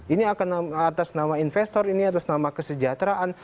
ini akan atas nama investor ini atas nama kesejahteraan